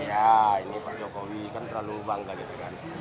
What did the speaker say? ya ini pak jokowi kan terlalu bangga gitu kan